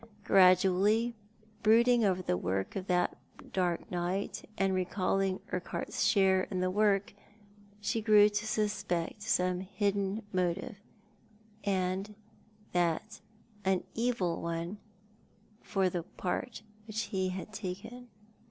Gradually, brooding over the work of that dark night, and recalling Urquhart's share in the work, she grew to suspect some hidden motive, and that an evil one, for the part which he had taken.